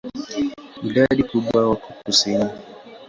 Idadi kubwa wako kusini.